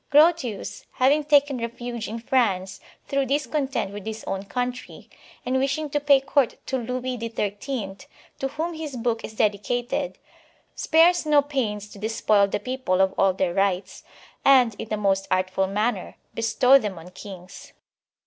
Grotius, having taken refuge in France through discontent with his own country, and wishing to pay court to Liouis XIIL, to whom his book is dedi cated, spares no pains to despoil the people of all their rights, and, in the most artful manner, bestow them on kings.